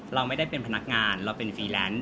เราไม่ได้เป็นพนักงานเราเป็นฟรีแลนซ์